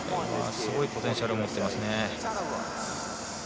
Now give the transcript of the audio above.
すごいポテンシャルを持っていますね。